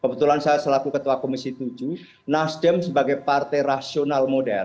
kebetulan saya selaku ketua komisi tujuh nasdem sebagai partai rasional modern